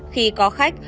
khi có khách